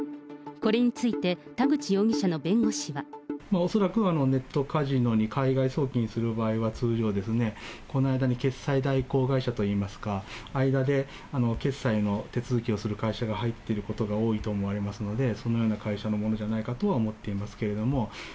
これについて、田口容疑者の弁護恐らく、ネットカジノに海外送金する場合は、通常、この間に決済代行会社といいますか、間で決済の手続きをする会社が入っていることが多いと思われますので、そのような会社のものじゃないかとは思っていますけれども。